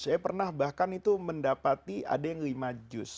saya pernah bahkan itu mendapati ada yang lima juz